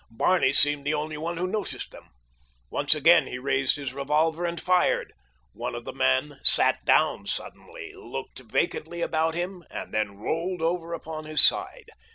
Barney seemed the only one who noticed them. Once again he raised his revolver and fired. One of the men sat down suddenly, looked vacantly about him, and then rolled over upon his side.